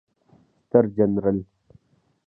ستر جنرال